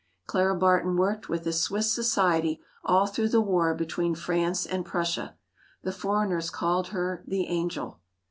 Clara Barton worked with this Swiss society all through the war between France and Prussia. The foreigners called her the Angel.